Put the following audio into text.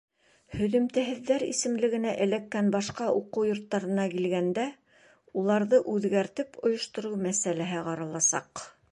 Һөҙөмтәһеҙҙәр исемлегенә эләккән башҡа уҡыу йорттарына килгәндә, уларҙы үҙгәртеп ойоштороу мәсьәләһе ҡараласаҡ.